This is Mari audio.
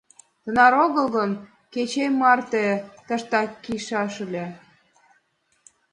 Тынар огыл гын, кеч эр марте тыштак кийышаш ыле».